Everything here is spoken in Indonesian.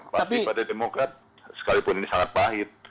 pasti pada demokrat sekalipun ini sangat pahit